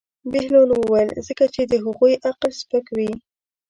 بهلول وویل: ځکه چې د هغوی عقل سپک وي.